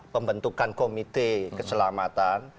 pembentukan komite keselamatan